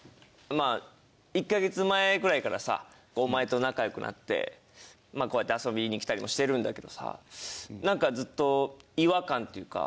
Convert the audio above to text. まあ１カ月前ぐらいからさお前と仲良くなってこうやって遊びに来たりもしてるんだけどさなんかずっと違和感っていうか。